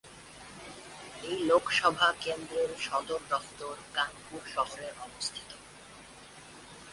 এই লোকসভা কেন্দ্রের সদর দফতর কানপুর শহরে অবস্থিত।